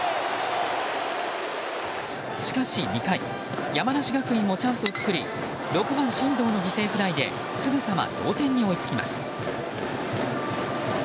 しかし２回山梨学院もチャンスを作り６番、進藤の犠牲フライですぐさま同点に追いつきます。